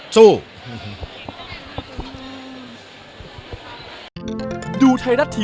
สู้